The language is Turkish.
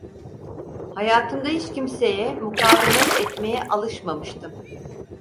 Hayatımda hiç kimseye mukavemet etmeye alışmamıştım.